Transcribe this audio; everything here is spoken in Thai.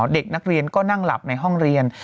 เด็กนักเรียนก็นั่งหลับในห้องเรียน